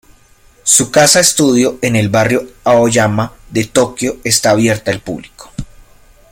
Su casa-estudio en el barrio Aoyama de Tokio está abierta al público.